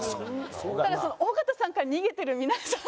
だから尾形さんから逃げてる皆さんの。